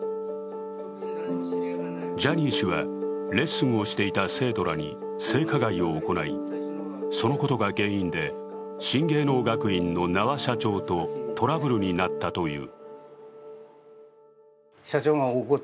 ジャニー氏は、レッスンをしていた生徒らに性加害を行いそのことが原因で新芸能学院の名和社長とトラブルになったという。